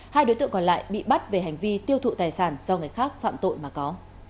hai đối tượng còn lại bị bắt về hành vi tiêu thụ tài sản do người khác phạm tội mà có